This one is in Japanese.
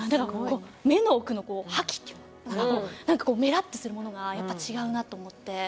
こう目の奥の覇気っていうかなんかこうメラッとするものがやっぱ違うなと思って。